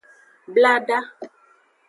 Blada.